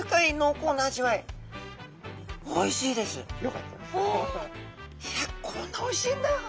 いやこんなおいしいんだ。